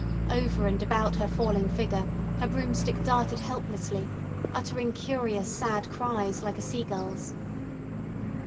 Over and about her falling figure her broomstick darted helplessly, uttering curious sad cries, like a seagull's.